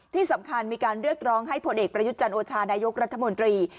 ที่สำคัญมีการเรียกร้องให้ผลเอกประยุทธ์จันโอชานายกรัฐมนตรี